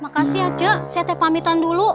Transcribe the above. makasih ya cek saya teh pamitan dulu